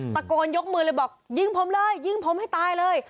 ตะโกนยกมือเลยบอกยิงผมเลยยิงผมให้ตายเลย